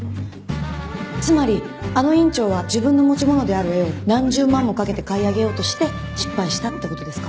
つまりあの院長は自分の持ち物である絵を何十万もかけて買い上げようとして失敗したって事ですか？